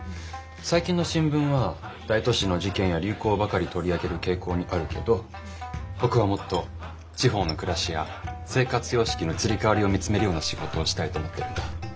最近の新聞は大都市の事件や流行ばかり取り上げる傾向にあるけど僕はもっと地方の暮らしや生活様式の移り変わりを見つめるような仕事をしたいと思ってるんだ。